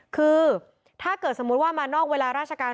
คือถ้าเกิดสมมุติว่ามานอกเวลาราชการ